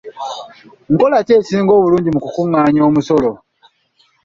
Nkola ki esinga obulungi mu ku kungaanya omusolo?